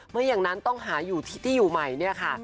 ไม่อย่างนั้นต้องหาอยู่ที่อยู่ใหม่เนี่ยค่ะ